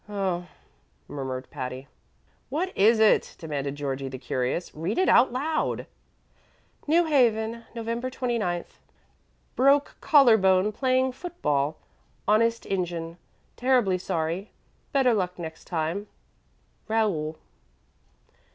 "Oh," murmured Patty. "What is it?" demanded Georgie the curious. "Read it out loud." "NEW HAVEN, November 29. "Broke collar bone playing foot ball. Honest Injun. Terribly sorry. Better luck next time." "RAOUL."